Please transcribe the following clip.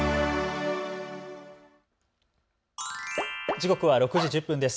時刻は６時１０分です。